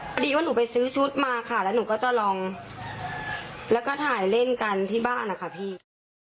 พอดีว่าหนูไปซื้อชุดมาค่ะแล้วหนูก็จะลองแล้วก็ถ่ายเล่นกันที่บ้านนะคะพี่